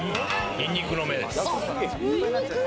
ニンニクの芽です。